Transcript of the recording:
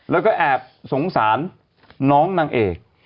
แล้วก็แอบสงสารน้องนางเอก